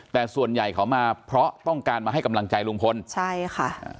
แต่ส่วนใหญ่เขามาเพราะต้องการมาให้กำลังใจลุงพลใช่ค่ะ